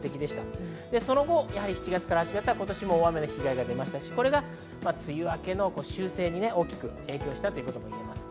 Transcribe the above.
その後、７月から８月は今年も大雨の被害が出ましたし、梅雨明けの修正に大きく影響したということがいえます。